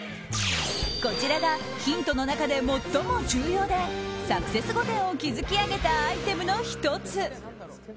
こちらがヒントの中で最も重要でサクセス御殿を築き上げたアイテムの１つ。